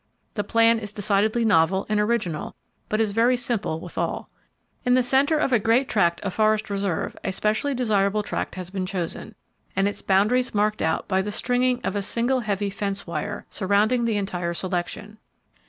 The plan is decidedly novel and original, but is very simple withal. In the center of a great tract of forest reserve, a specially desirable tract has been chosen, and its boundaries marked out by the stringing of a single heavy fence wire, surrounding the entire selection.